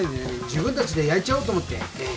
自分たちで焼いちゃおうと思ってええ。